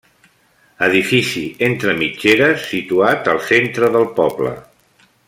Edifici entre mitgeres situat al centre del poble.